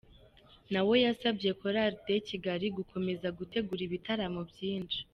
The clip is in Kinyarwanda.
Na we yasabye Chorale de Kigali gukomeza gutegura ibitaramo byinshi.